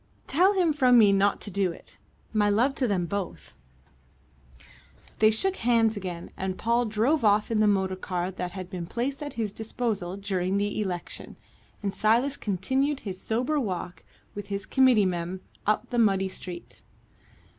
"Tell him from me not to do it. My love to them both." They shook hands again, and Paul drove off in the motor car that had been placed at his disposal during the election, and Silas continued his sober walk with his committee men up the muddy street.